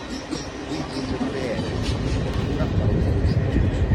Qui giunge pure Helen che li cattura ma non può ucciderli.